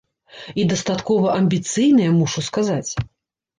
І дастаткова амбіцыйная, мушу сказаць.